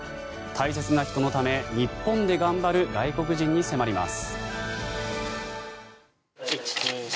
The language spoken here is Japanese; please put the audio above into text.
大切な人のため日本で頑張る外国人に迫ります。